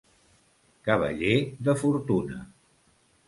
Cavaller de fortuna.